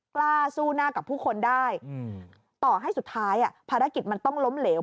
กล้าสู้หน้ากับผู้คนได้ต่อให้สุดท้ายภารกิจมันต้องล้มเหลว